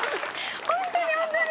ホントにホントに！